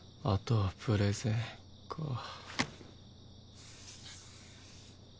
あとはプレゼンか。